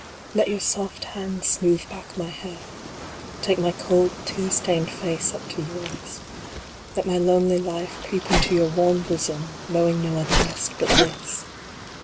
Let your soft hands smooth back my hair. Take my cold, tear stained face up to yours. Let my lonely life creep into your warm bosom, know ing no other rest but this.